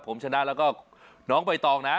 ผมชนะแล้วก็น้องใบตองนะ